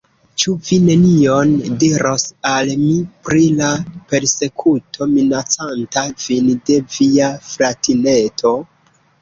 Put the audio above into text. Ĉu vi nenion diros al mi pri la persekuto minacanta vin de via fratineto?